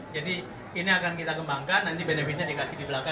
jadi ini akan kita kembangkan nanti benefitnya dikasih di belakang